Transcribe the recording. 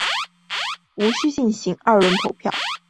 无须进行第二轮投票。